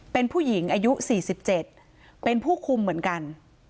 เป็นผู้หญิงอายุ๔๗เป็นผู้คุมเหมือนกัน